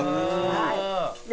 はい。